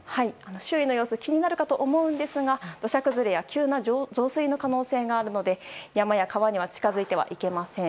周囲の様子気になるかと思いますが土砂崩れや急な増水の可能性があるので山や川には近づいてはいけません。